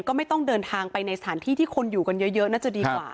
ก็ไม่ต้องเดินทางไปในสถานที่ที่คนอยู่กันเยอะน่าจะดีกว่า